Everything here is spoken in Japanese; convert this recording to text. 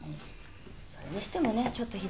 それにしてもねちょっとひどい。